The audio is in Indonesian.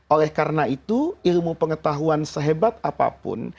oleh karena itu ilmu pengetahuan sehebat apapun